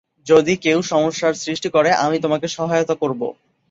যদি কেউ সমস্যার সৃষ্টি করে, আমি তোমাকে সহায়তা করবো।